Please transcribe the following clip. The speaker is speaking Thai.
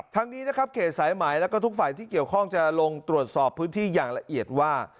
ทั้งนี้นะครับเขตสายไหมแล้วก็ทุกฝ่ายที่เกี่ยวข้องจะลงตรวจสอบพื้นที่อย่างละเอียดว่า